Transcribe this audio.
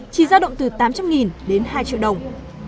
chỉ ra động từ tám trăm linh nghìn đến hai triệu đồng